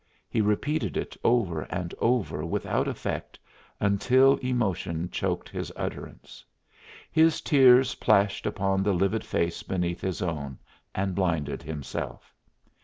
He repeated it over and over without effect until emotion choked his utterance. His tears plashed upon the livid face beneath his own and blinded himself.